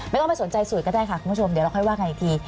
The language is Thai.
ไม่ต้องไปสนใจสูตรก็ได้ค่ะคุณผู้ชมเดี๋ยวเราค่อยว่ากันอีกที